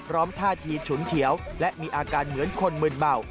ท่าทีฉุนเฉียวและมีอาการเหมือนคนมืนเมา